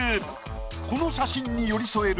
この写真に寄り添える